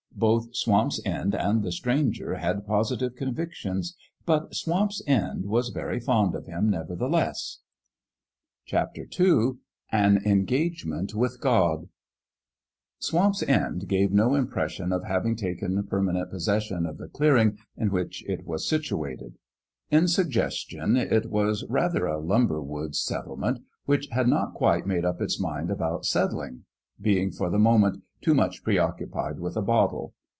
Both Swamp's End and the Stranger had positive convictions. But Swamp's End was very fond of Him, nevertheless. II AN ENGAGEMENT WITH GOD SWAMP'S END gave no impression of hav ing taken permanent possession of the clearing in which it was situated. In sug gestion it was rather a lumber woods settlement which had not quite made up its mind about settling, being for the moment too much preoc cupied with a bottle.